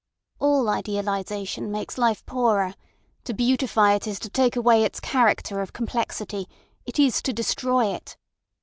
.. All idealisation makes life poorer. To beautify it is to take away its character of complexity—it is to destroy it.